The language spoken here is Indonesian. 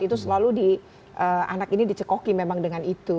itu selalu di anak ini dicekoki memang dengan itu